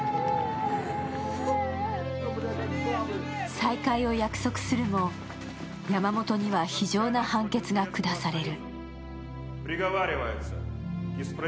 再会を約束するも、山本には非情な判決が下される。